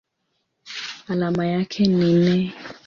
Alama yake ni Ne.